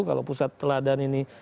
kalau pusat teladan ini